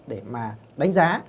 để mà đánh giá